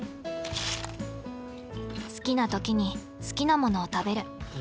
好きな時に好きなものを食べる。